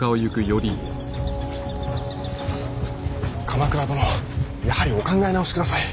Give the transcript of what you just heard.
鎌倉殿やはりお考え直しください。